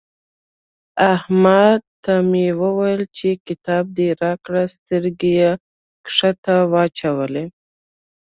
احمد ته مې وويل چې کتاب دې راکړه؛ سترګې يې کښته واچولې.